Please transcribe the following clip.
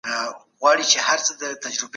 د پوهنې په سیسټم کي د ټکنالوژۍ ادغام نه و.